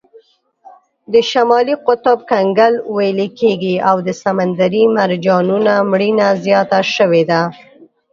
د شمالي قطب کنګل ویلې کیږي او د سمندري مرجانونو مړینه زیاته شوې ده.